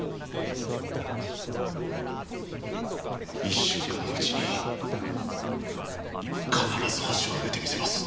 一週間のうちに必ずホシを挙げてみせます。